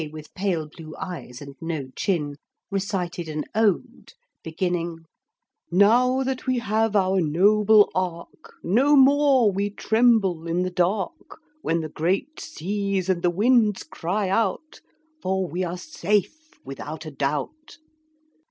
with pale blue eyes and no chin, recited an ode beginning Now that we have our Noble Ark No more we tremble in the dark When the great seas and the winds cry out, For we are safe without a doubt.